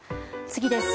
次です。